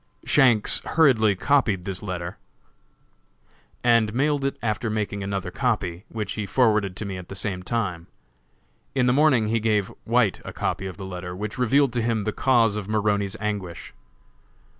Shanks hurriedly copied this letter, and mailed it after making another copy, which he forwarded to me at the same time. In the morning he gave White a copy of the letter, which revealed to him the cause of Maroney's anguish.